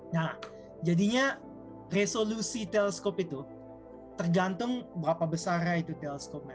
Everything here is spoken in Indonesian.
nah jadinya resolusi teleskop itu tergantung berapa besarnya itu teleskopnya